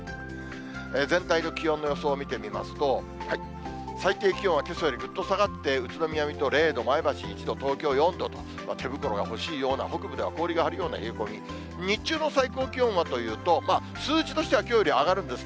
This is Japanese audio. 全体の気温の予想を見てみますと、最低気温はけさよりぐっと下がって宇都宮、水戸、０度、前橋１度、東京４度と、手袋が欲しいような、北部では氷が張るような冷え込み、日中の最高気温はというと、数字としてはきょうより上がるんですね。